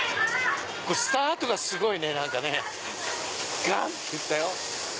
スタートがすごいねガン！っていったよ。